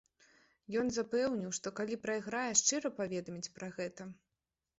Ён запэўніў, што калі прайграе, шчыра паведаміць пра гэта.